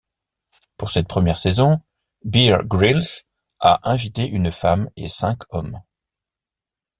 Pour cette première saison, Bear Grylls a invité une femme et cinq hommes.